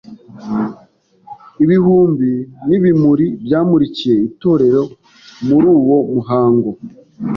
Ibihumbi n’ibimuri byamurikiye itorero muri uwo muhango.